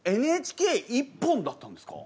ＮＨＫ一本だったんですか？